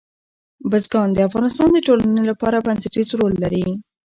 بزګان د افغانستان د ټولنې لپاره بنسټیز رول لري.